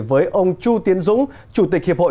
với ông chu tiến dũng chủ tịch hiệp hội